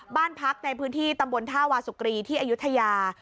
บ้านพักในพื้นที่ตำบลท่าวาสุกรีที่อายุทยา